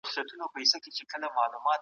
قدرت د سیاست یو اړین عنصر دی.